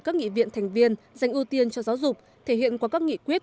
các nghị viện thành viên dành ưu tiên cho giáo dục thể hiện qua các nghị quyết